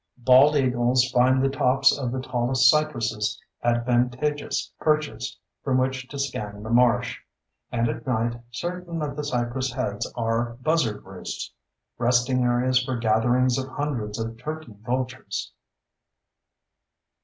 Bald eagles find the tops of the tallest cypresses advantageous perches from which to scan the marsh. And at night certain of the cypress heads are "buzzard roosts"—resting areas for gatherings of hundreds of turkey vultures.